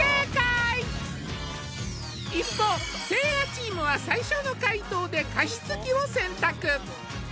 一方せいやチームは最初の解答で加湿器を選択